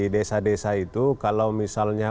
desa desa itu kalau misalnya